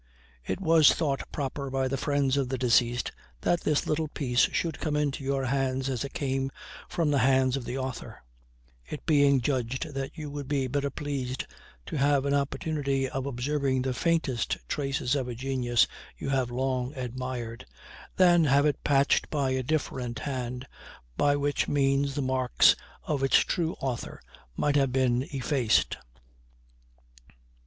It was thought proper by the friends of the deceased that this little piece should come into your hands as it came from the hands of the author, it being judged that you would be better pleased to have an opportunity of observing the faintest traces of a genius you have long admired, than have it patched by a different hand, by which means the marks of its true author might have been effaced.